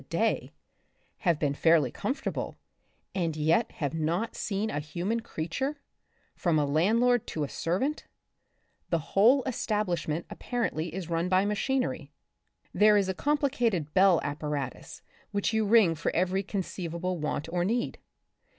a day, have been fairly comfortable, and yet have not seen a human creature, from a land lord to a servant ? The whole establishment apparently is run by machinery. There is a complicated bell apparatus which you ring for every conceivable want or need.